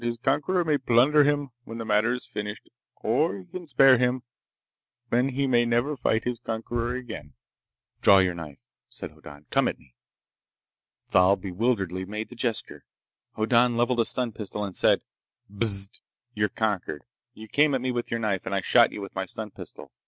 His conqueror may plunder him, when the matter is finished, or he can spare him, when he may never fight his conqueror again." "Draw your knife," said Hoddan. "Come at me." Thal bewilderedly made the gesture. Hoddan leveled a stun pistol and said: "Bzzz. You're conquered. You came at me with your knife, and I shot you with my stun pistol.